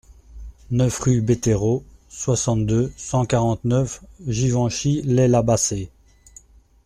neuf rue Betterots, soixante-deux, cent quarante-neuf, Givenchy-lès-la-Bassée